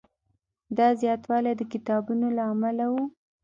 دا زیاتوالی د کتابونو له امله و.